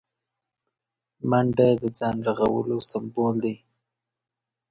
منډه د ځان رغولو سمبول دی